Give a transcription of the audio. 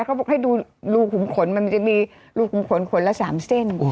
เขาบอกให้ดูรูขุมขนมันจะมีรูขุมขนละ๓เส้น